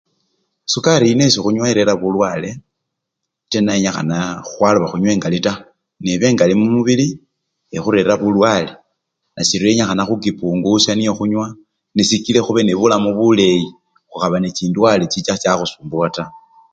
Sukari yino esii khunwa erera bulwale tena yenyikhana khwaloba khunwa engali taa, nebaa engali mwibili ekhurerera bulwale nasiryo yenyikhana khukipungusha niyekhunwa nesikila khube nebulamu buleyi khukhaba nechindwale chicha chakhusumbuwa taa.